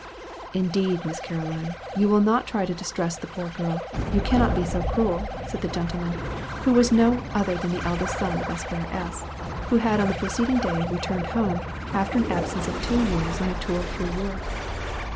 "Indeed, Miss Caroline, you will not try to distress the poor girl; you cannot be so cruel," said the gentleman, who was no other than the eldest son of Esq. S., who had on the preceding day returned home, after an absence of two years on a tour through Europe.